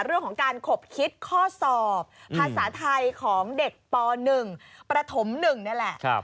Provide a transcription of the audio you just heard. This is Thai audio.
เรื่องของการขบคิดข้อสอบภาษาไทยของเด็กป๑ประถม๑นี่แหละ